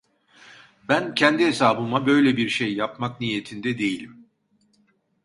Ben kendi hesabıma böyle bir şey yapmak niyetinde değilim…